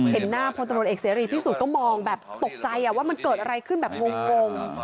เห็นหน้าพลตำรวจเอกเสรีพิสุทธิ์ก็มองแบบตกใจว่ามันเกิดอะไรขึ้นแบบงง